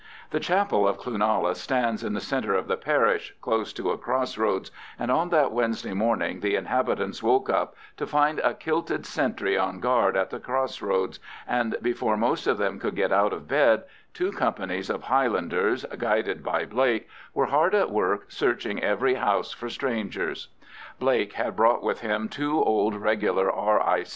The chapel of Cloonalla stands in the centre of the parish, close to a cross roads, and on that Wednesday morning the inhabitants woke up to find a kilted sentry on guard at the cross roads, and before most of them could get out of bed, two companies of Highlanders, guided by Blake, were hard at work searching every house for strangers. Blake had brought with him two old regular R.I.